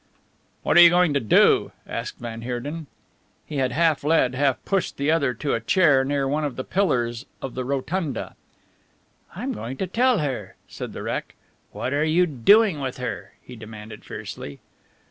"What are you going to do?" asked van Heerden. He had half led, half pushed the other to a chair near one of the pillars of the rotunda. "I am going to tell her," said the wreck. "What are you doing with her?" he demanded fiercely.